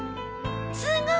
すごーい！